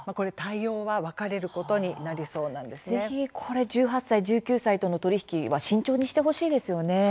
対応は分かれることにぜひ１８歳１９歳との取り引きは慎重にしてほしいですよね。